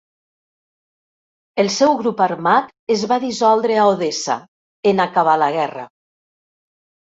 El seu grup armat es va dissoldre a Odessa, en acabar la guerra.